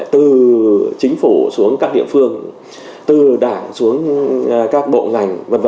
từ chính phủ xuống các địa phương từ đảng xuống các bộ ngành v v